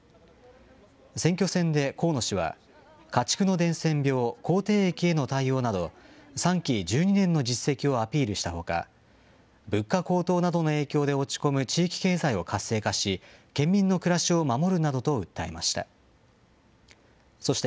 選挙戦で河野氏は、家畜の伝染病、口てい疫への対応など、３期１２年の実績をアピールしたほか、物価高騰などの影響で落ち込む地域経済を活性化し、県民の暮らしを守るなどと訴えました。